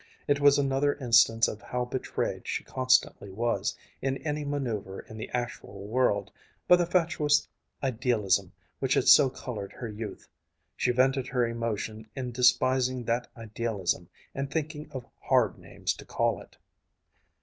It was another instance of how betrayed she constantly was, in any manoeuver in the actual world, by the fatuous idealism which had so colored her youth she vented her emotion in despising that idealism and thinking of hard names to call it.